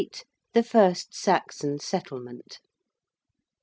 THE FIRST SAXON SETTLEMENT.